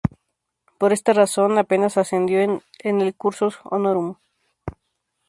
Por esta razón, apenas ascendió en el "cursus honorum".